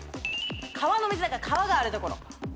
川の水だから川がある所。